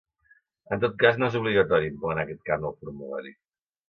En tot cas no és obligatori emplenar aquest camp del formulari.